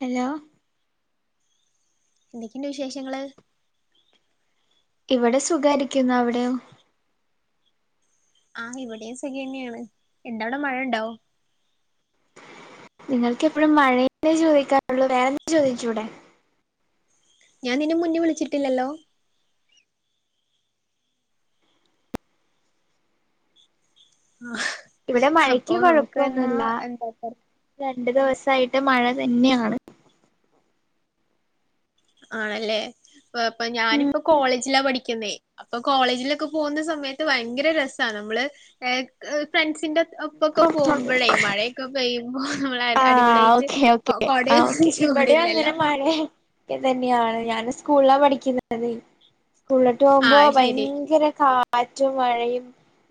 hello എന്തൊക്കെയുണ്ട് വിശേഷങ്ങള് ഇവിടെ സുഖായിരിക്കുന്നു അവിടെയോ ആഹ് ഇവിടെയും സുഖന്നെയാണ് എന്ത അവിടെ മഴ ഉണ്ടോ നിങ്ങൾക്ക് എപ്പോഴും മഴെന്നെ ചോദിക്കാറുള്ളൂ വേറെ എന്താ ചോദിച്ചൂടെ ഞാൻ നിന്ന മുന്ന് വിളിച്ചിട്ടില്ലല്ലോ ആ ഇവിടെ അപ്പൊ മഴയ്ക്ക് നമുക്ക് എന്ന കൊഴപ്പൊന്നുല്ല എന്താ പറ രണ്ടു ദിവസായിട്ട് മഴ തന്നെയാണ് ആണല്ലേ ഇപ്പൊ ഉം ഞാനിപ്പ കോളേജില പഠി ഠികുന്നെ അപ്പൊ കോളേജിലൊക്കെ പോകുന്ന സമയത്ത് ഭയങ്കര രസാണ് നമ്മള് ഫ്രണ്ട്സിന്റെ ഒപ്പൊക്കെ പോകുമ്പോളെ മഴയൊക്കെ പെയ്യ നമ്മള ആഹ് അടിപൊളിയായിട്ട് ഓക്കെ കൊട ചൂടില്ലല്ലോ അതെ ഇതന്നെയാണ് ഞൻ സ്കൂളിലാ പഠിക്കുന്നത് സ്കൂള തോകുമ്പോ ആഹ് ശരി ഭയങ്കര കാറ്റും മഴയും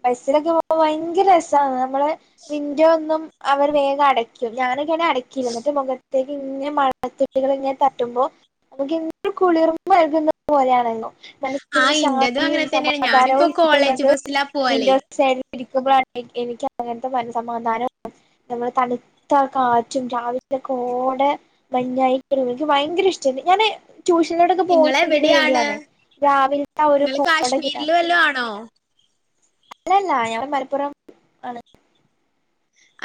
ബസിലൊക്കെ പോവുമ്പോ ഭയങ്കര ര താണ് നമ്മള് വിൻഡോ ഒന്നും അവർ വേഗം അടയ്ക്കും ഞാനക്കെണേ അടക്കയില്ല എന്നിട്ട് മുഖ യിക് ഇങ്ങനെ മഴത് ട്ട്കൾ ഇങ്ങനെ തട്ടുമ്പോ നമുക്ക്ന്ത കുളിർമ നൽകുന്നത് പോലെയണെല്ലോ മനസ്സിലരു ആഹ് ഇന്റതും ശാന്തിയും അങ്ങനെ തന്നെയാണ് ഞാനിപ്പോ സമാധാനവും കോളേജ് കിട്ടുന്നത് ബസ്സിലാ പോവലേ വിൻഡോസ് സൈഡിലിരിക്കുമ്പോഴാണ് എനിക്ക് അങ്ങനത്തെ മന സമാധാന നമ്മൾ തണു മത്ത കാറ്റും രാവിലെയൊക്കെ കൊടെ മഞ്ഞായിട്ടും എനിക്ക് ഭയങ്കര ഇഷ്ടണ്ട് ഞാന് റ്റുഷണോടൊക്കെ പോകുന്നതിന് നിങ്ങളെവിടെയാണ് വേണ്ടിയാണെ രാവിൽത്തെ ഒരു കോട കിട്ടാൻ ല്ല ആണോ അല്ലല്ല അയാൾ മലപ്പുറം ആണ്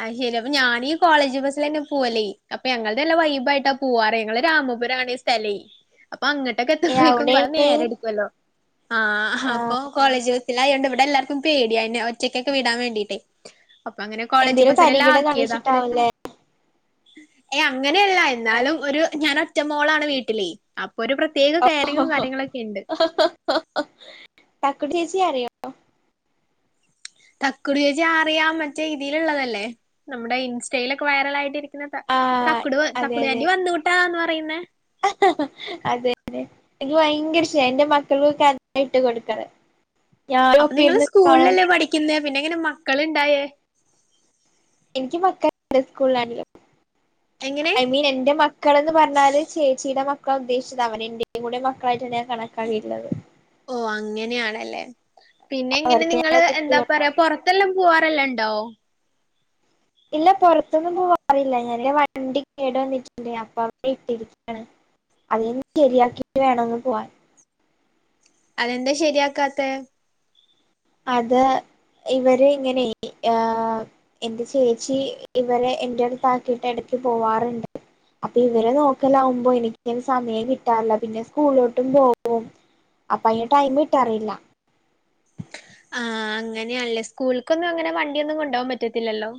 ആഹ ശരി അപ്പൊ ഞാനീ കോളേജ് ബസ്സൽ തന്നെ പോവല്ലേ അപ്പൊ ഞങ്ങളുടെല്ല വൈബായിട്ട് ക്കുവ്വാറേ ഞങ്ങളെ രാമപുരം ആണയ് സ്ഥലയ് അപ്പൊ അങ്ങോട്ടൊക്കെ ഏ എത്ത്പഴക്കും അവിടെണ്ട് നേരെടുക്കുവല്ലോ ആഹ ആ അപ്പൊ കോളേജ്സ്സിലായത്ണ്ട് ഇവിടെ എല്ലർക്കും പേടിയ ന്നെ ഒറ്റക്കൊക്കെ വിടാൻ വേണ്ടീട്ട് അപ്പൊ അങ്ങനെ കോളേജ് എന്തേലും ബസ്സെല്ലാം തരികിട ആക്കിയതാ കാണിച്ചിട്ടാവൂലേ ഏ അങ്ങനെയല്ല എന്നാലും ഒരു ഞാൻ ഒറ്റമോളാണ് വീട്ടിലെ അപ്പൊ ഒരു പ്രത്യേക കെയറിങ്ങും ഓ കാര്യങ്ങളൊക്കെ ഇണ്ട് കട്ടച്ച ആറ [unintelligible] തക്കുടി ചേച്ചി അറിയാം മറ്റേ ഇതിൽുള്ളതല്ലേ നമ്മുടെ ഇൻസ്റ്റയിലൊക്കെ വൈറല ആയിട്ട്രിക്ക െ ആ തക്കടു തക്കുടു ആൻ്റി വന്നു ട്ടാന്ന് പറയുന്ന അതെെ എനിക്ക് ഭയങ്കര ഇഷ എന്റെ മക്കൾൊക്കെ അത ഇട്ട് കൊടുക്കത് അപ്പൊ നിങ്ങള് സ്കൂളിലല്ലേ പഠിക്കുന്ന പിന്നെ ഇങ്ങനെ മക്കൾുണ്ടായേ എനിക്ക് എങ്ങനെ മക്കള്ണ്ട്സ്കൂളിലായാലുംഐ മീൻ എന്റെ മക്ക മക്കള എന്ന് പറഞ്ഞാല് ചേച്ചിയുടെ മക്കളാ ഉദ്ദേശിച്ചത് അവൻ എന്റെേയും കൂടെ മക്കളായിട്ടാണ് ഞാൻ കണക്കാക്കിയിുള്ളത് ഓ അങ്ങനെയണല്ലേ പിന്നെങ്ങനെ അവർക്ക് ഞാൻ നിങ്ങള് തിരിച്ചു എന്താ കൊടുത്തു പറയാ പുറത്ത് തെല്ലാം പോവാറല്ല ഉണ്ടോ ഇല്ല പുറത്തൊന്നും പോവാറില്ല ഞാനിന്റെ വണ്ടി കേട് വന്നിട്ടുണ്ട് അപ്പൊ അവവിടെ ഇട്ടിരിക്കാണ് അതന്ന് ശരിയാക്കിട്ട് വേണംന്ന് പോവാൻ അതെന്താ ശരിയാക്കാത്ത അത് ഇവര് ഇങ്ങനെ ആ എൻന്റെ ചേച്ചി ഇവരെ എന്റെ അടുത്ത്ാക്കിയിട്ട് ഇടക്ക് പോവാറുണ്ട് അപ്പൊ ഇവരെ നോക്കലകുമ്പോ എനക്ക് സമയം കിട്ടാറില്ല പിന്നെ സ്കൂളിലോട്ടും പോകും അപ്പ അയിന്റെ ടൈം ഇട്ട്റിയില്ല ആഹ അങ്ങനെയല്ലേ സ്കൂൾക്കൊന്നും അങ്ങനെ വണ്ടിയൊന്നും കൊണ്ടോകാൻ പറ്റത്തില്ലല്ലോ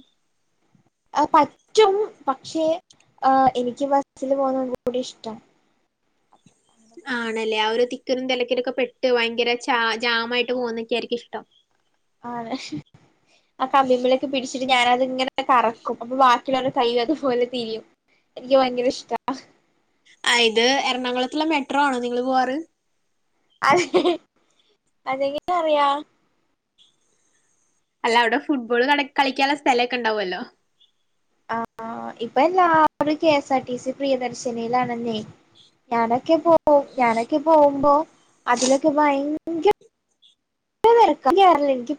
പറ്റും പക്ഷേ എനിക്ക് ബസിൽ പോുന്ന കൂടി ഇഷ്ടം ആണല്ലേ ആ ഒരു തിക്കിലും തിരക്കീരൊക്കെ പെട്ട് ഭയങ്കര ച ജാമായിട്ട് പോകുന്നൊക്കെയ ആരിക്കും ഇഷ്ടം ആ തെ ആ കമ്പിമ്മലൊക്കെ പിടിച്ചിട്ട് ഞാനത്ങ്ങനെ കറക്കും അപ്പൊ ബാക്കിയുള്ളരു കൈ അതുപോലെ തിരിയും എനിക്ക് ഭയങ്കര ഇഷ്ടം ആ ഇത് എറണാകുളത്തുള്ള മെട്രോ ആണോ നിങ്ങള്ൾ പോവാറ് അ ല്ലെ അല്ലെങ്കി [unintelligible] റ് യാം അല്ല അവ്ടെ ഫുട്ബോൾള് നട് കളിക്കാള്ള സ്ഥലൊക്കെ ണ്ടാവൊല്ലോ അഹ് ആഹ് ഇപ്പ എല്ലാരും കെസാർ ടി സി പ്രിയദർശനിയിലാണെന്നേ ഞാനൊക്കെ പോ ഞാനൊക്കെ പോവുമ്പോ അതിലൊക്കെ ഭയ ങ്കര തെരക്ക [unintelligible] കേറല്ല്യ ന്ക്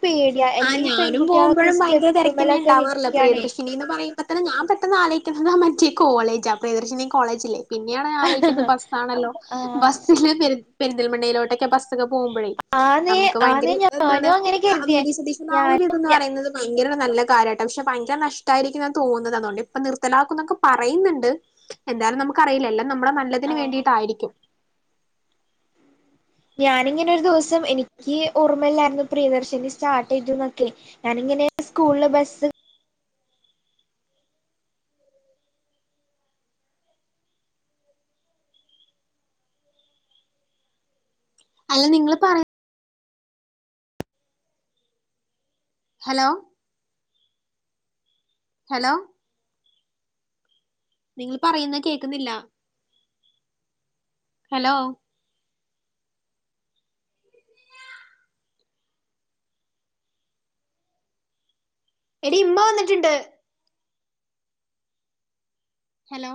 അഹ് ഞാനും പോവുമ്പോഴും ഭയങ്കര സ്റ്റെപ്പ്മ്മലൊക്കെ തെരക്കന്നെണ്ടാവാറിള്ളെ നിക്കാണേ പ്രിയദർശിനിന്ന് പറയു മ്പത്തിന് ഞാൻ പെട്ടെന്നലോയ്ക്ക ഞ മറ്റേ കോളേജാ പ്രിയദർശിനി കോളേജില്ലേ പിന്നെയാണ് ആലോയിക്കുന്ന് ബസ്സാണല്ലോ ആഹ് ബസ്സില് പെ പെരിന്തൽമണ്ണയിലോട്ടൊക്കെ ബസ് സ്സൊക്കെ പോവുമ്പയെയ് ആന്നേ ഞമ്മക് ആന്നേ ഭയങ്കരെ എഹ് എന്താണ് ഞാനും അങ്ങനെ അഹ് വി കരുതിയേ ടി സതീശൻ ന്നാവൊരു ഞാനും ഇത്ന്ന് ഞ പറയുന്നത് ഭയങ്കര നല്ല കാര്യാട്ട പക്ഷ ഭയങ്കര നഷ്ടായിരിക്കും ന്നാ തോന്ന്ന്നത് അത് കൊണ്ട് ഇപ്പ നി റർത്തലാക്കും ന്നൊക്കെ പറയുന്നുണ്ട് എന്തായാലും നമുക്ക്റിയില്ലഎല്ലാം നമ്മുടെ നല്ലതിന് ആഹ് വേണ്ടിയിട്ടായിരിക്കും ഞാാനിങ്ങനെ ഒരു ദിവസം എനിക്ക് ഓർമ്മയില്ലായിരുന്നു പ്രിയദർശിനി സ്റ്റാർട്ട് ചെയ്തുന്നൊക്കേ ഞാനിങ്ങനെ സ്കൂൾള് ബസ് അല്ല നിങ്ങള് പറ ഹലോ ഹലോ നിങ്ങൾ പറയുന്ന കേക്കുന്നില്ല ഹലോ എടി മ്മ വന്ന്ട്ട്ണ്ട് ഹലോ